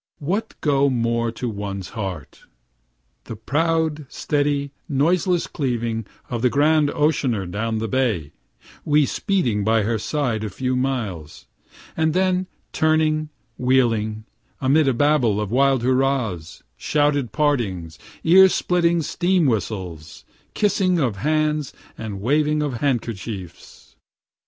what go more to one's heart?) the proud, steady, noiseless cleaving of the grand oceaner down the bay we speeding by her side a few miles, and then turning, wheeling, amid a babel of wild hurrahs, shouted partings, ear splitting steam whistles, kissing of hands and waving of handkerchiefs.